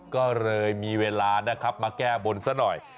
ก็เลยมีเวลานะครับมาแก้บนซะหน่อย